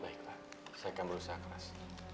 baik pak saya akan berusaha klas